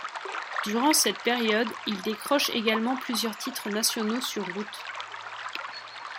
Durant cette période, il décroche également plusieurs titres nationaux sur route.